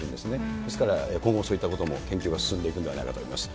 ですから、今後そういったことも研究が進んでいくんではないかと思います。